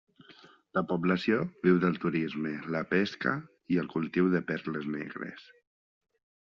La població viu del turisme, la pesca i el cultiu de perles negres.